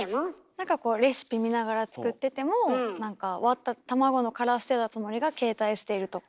なんかこうレシピ見ながら作ってても割った卵の殻捨てたつもりが携帯捨てるとか。